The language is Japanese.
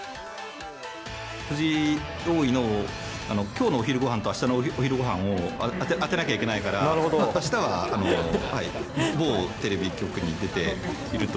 藤井王位のきょうのお昼ごはんとあしたのお昼ごはんを当てなきゃいけないから、あしたは某テレビ局に出ていると。